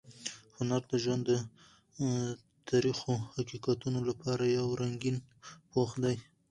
هنر د ژوند د تریخو حقیقتونو لپاره یو رنګین پوښ دی.